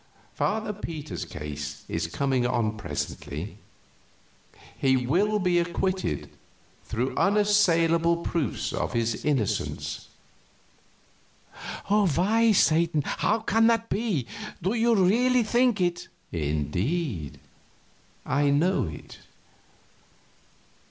"Father Peter's case is coming on presently. He will be acquitted, through unassailable proofs of his innocence." "Why, Satan, how can that be? Do you really think it?" "Indeed, I know it.